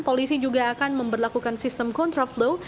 polisi juga akan memperlakukan sistem kontraflow